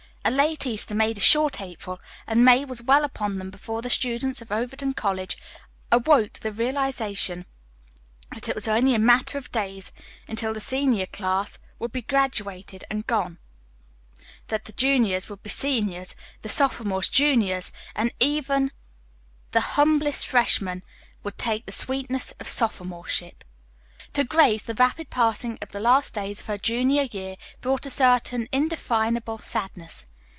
A late Easter made a short April, and May was well upon them before the students of Overton College awoke to the realization that it was only a matter of days until the senior class would be graduated and gone; that the juniors would be seniors, the sophomores juniors, and even the humblest freshman would taste the sweetness of sophomoreship. To Grace the rapid passing of the last days of her junior year brought a certain indefinable sadness.